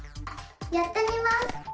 やってみます！